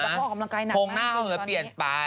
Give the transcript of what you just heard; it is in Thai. หงวงหน้าเค้าเหนือเปลี่ยนไป